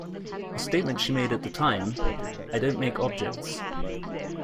A statement she made at the time - I don't make objects.